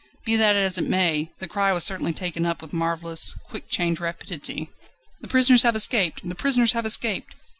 Be that as it may, the cry was certainly taken up with marvellous, quick change rapidity. "The prisoners have escaped! The prisoners have escaped!"